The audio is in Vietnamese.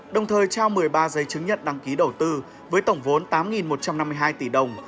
đồng thời trao một mươi ba giấy chứng nhận đăng ký đầu tư với tổng vốn tám một trăm năm mươi hai tỷ đồng